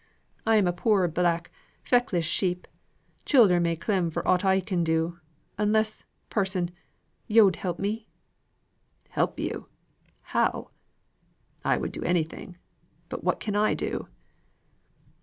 I'm a poor black feckless sheep childer may clem for ought I can do, unless, parson, yo'd help me?" "Help you! How? I would do anything, but what can I do?"